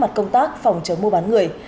nói chung là toàn những trò lừa đảo thôi